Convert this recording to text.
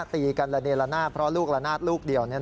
ตีกันละเนละนาดเพราะลูกละนาดลูกเดียว